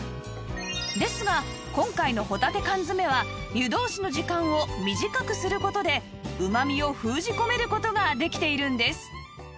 ですが今回のほたて缶詰は湯通しの時間を短くする事でうま味を封じ込める事ができているんです